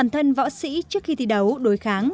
thân võ sĩ trước khi thi đấu đối kháng